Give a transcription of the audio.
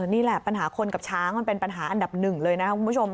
นี่แหละปัญหาคนกับช้างมันเป็นปัญหาอันดับหนึ่งเลยนะครับคุณผู้ชม